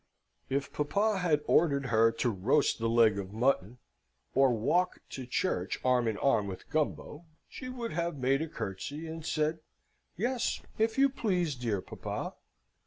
If papa had ordered her to roast the leg of mutton, or walk to church arm in arm with Gumbo, she would have made a curtsey, and said, "Yes, if you please, dear papa!"